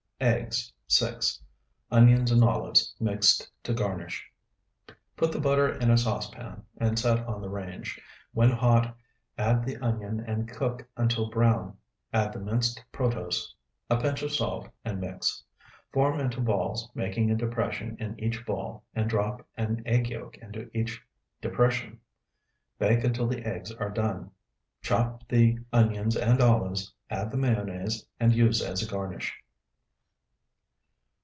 Eggs, 6. Onions and olives mixed, to garnish. Put the butter in a saucepan and set on the range. When hot, add the onion and cook until brown; add the minced protose, a pinch of salt, and mix. Form into balls, making a depression in each ball, and drop an egg yolk in each depression. Bake until the eggs are done. Chop the onions and olives, add the mayonnaise, and use as a garnish.